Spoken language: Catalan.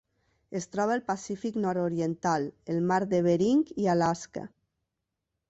Es troba al Pacífic nord-oriental: el mar de Bering i Alaska.